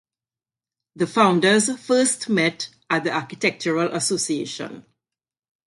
The founders first met at the Architectural Association.